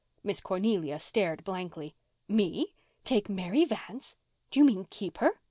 Miss Cornelia stared blankly. "Me! Take Mary Vance! Do you mean keep her?"